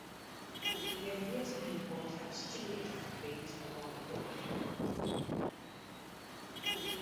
The ideas in the report have stimulated debate around the world.